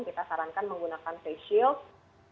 dia akan menggunakan face shield